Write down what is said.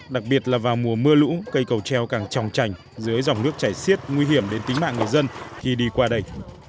đặc biệt là vào mùa mưa lũ cây cầu treo càng tròng trành dưới dòng nước chảy xiết nguy hiểm đến tính mạng người dân khi đi qua đây